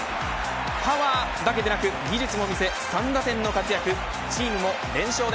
パワーだけでなく技術も見せ３打点の活躍。